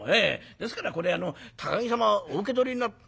ですからこれ高木様お受け取りに」。